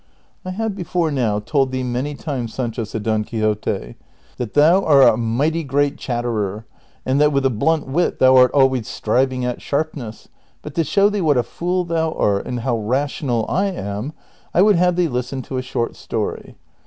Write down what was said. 199 " I have before now told thee many times, Sancho," said Don Quixote, " that thou art a mighty great cliatterer, and tliat with a bhrnt wit thou art always striving at sharpness ; but to show thee what a fool thou art and how rational I am, I would have thee listen to a short story.